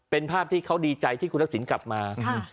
เป็นภาพที่เขาดีใจที่คุณทักษิณกลับมา